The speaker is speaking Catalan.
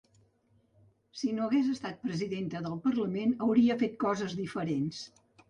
Si no hagués estat presidenta del parlament hauria fet coses diferents.